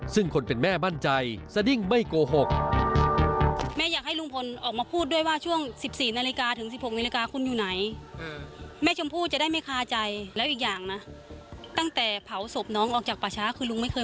ซึ่งคนเป็นแม่มั่นใจสดิ้งไม่โกหก